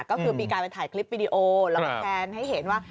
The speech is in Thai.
ก็คือมีการไปถ่ายคลิปวิดีโอแล้วก็แชร์ให้เห็นว่า